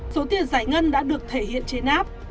số tiền giải ngân đã được thể hiện trên app